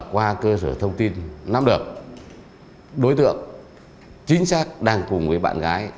qua cơ sở thông tin nắm được đối tượng chính xác đang cùng với bạn gái